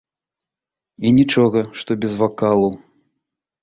І нічога, што без вакалу.